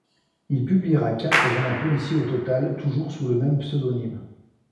Il publiera quatre romans policiers au total, toujours sous le même pseudonyme.